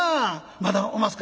まだおますか？」。